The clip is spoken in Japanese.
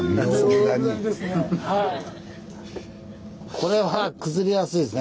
これは崩れやすいですね。